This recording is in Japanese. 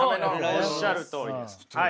おっしゃるとおりです。